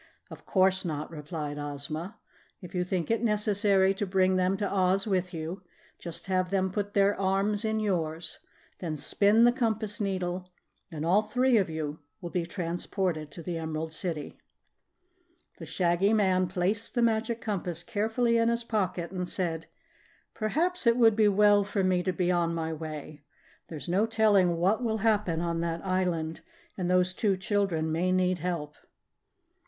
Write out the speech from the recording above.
"Of course not," replied Ozma. "If you think it necessary to bring them to Oz with you, just have them put their arms in yours; then spin the compass needle, and all three of you will be transported to the Emerald City." The Shaggy Man placed the Magic Compass carefully in his pocket and said: "Perhaps it would be well for me to be on my way. There's no telling what will happen on that island and those two children may need help."